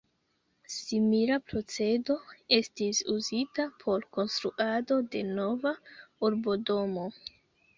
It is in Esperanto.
Simila procedo estis uzita por konstruado de Nova urbodomo.